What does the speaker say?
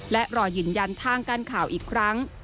และรอยืนยันทางการข่าวอีกครั้ง